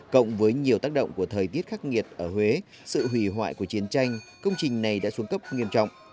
cộng với nhiều tác động của thời tiết khắc nghiệt ở huế sự hủy hoại của chiến tranh công trình này đã xuống cấp nghiêm trọng